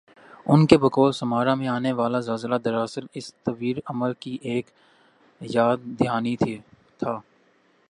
ان کی بقول سمارا میں آنی والازلزلہ دراصل اس طویل عمل کی ایک یاد دہانی تھا